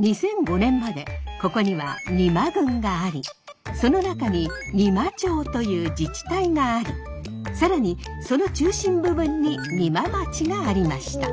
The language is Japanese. ２００５年までここには邇摩郡がありその中に仁摩町という自治体があり更にその中心部分に仁万町がありました。